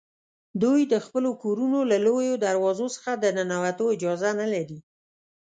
دوی د خپلو کورونو له لویو دروازو څخه د ننوتو اجازه نه لري.